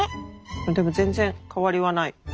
でも全然変わりはない。